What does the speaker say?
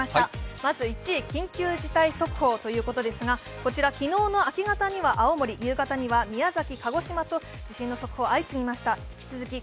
まず１位、緊急事態速報ということですがこちら昨日の明け方には青森、そして夕方には宮崎、鹿児島と地震の速報相次ぎました。